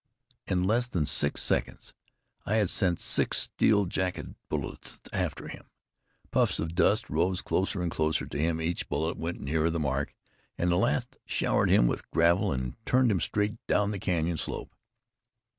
In less than six seconds, I had sent six steel jacketed bullets after him. Puffs of dust rose closer and closer to him as each bullet went nearer the mark and the last showered him with gravel and turned him straight down the canyon slope.